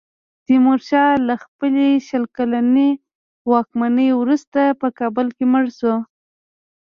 تیمورشاه له خپلې شل کلنې واکمنۍ وروسته په کابل کې مړ شو.